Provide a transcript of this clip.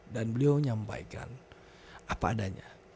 dan beliau nyampaikan apa adanya